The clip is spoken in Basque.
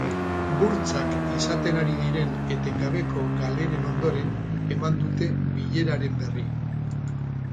Burtsak izaten ari diren etengabeko galeren ondoren eman dute bileraren berri.